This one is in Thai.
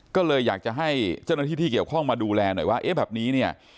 ก็เลยอยากจะให้เจ้าหน้าที่ที่เกี่ยวข้องมาดูแลหน่อยว่าเอ๊ะแบบนี้เนี่ย